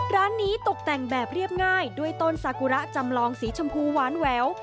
ร้านนี้ตกแต่งแบบเรียบง่ายด้วยต้นสากุระจำลองสีชมพูหวานแหวว